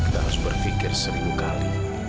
kita harus berpikir seribu kali